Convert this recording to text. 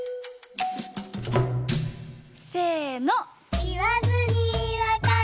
せの！